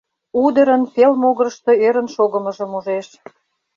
Удырын пел могырышто ӧрын шогымыжым ужеш.